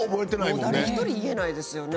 もう誰一人言えないですよね。